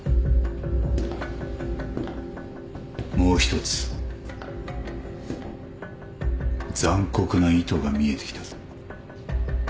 もう一つ残酷な意図が見えてきたぞ。